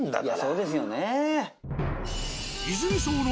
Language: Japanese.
そうですよね。